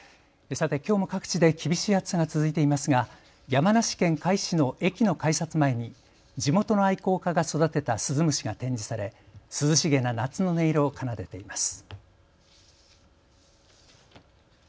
きょうも各地で厳しい暑さが続いていますが山梨県甲斐市の駅の改札前に地元の愛好家が育てたスズムシが展示され涼しげな夏の音色を奏でています。